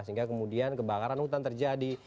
sehingga kemudian kebakaran hutan terjadi